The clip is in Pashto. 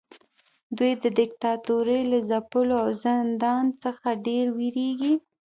دوی د دیکتاتورۍ له ځپلو او زندان څخه ډیر ویریږي.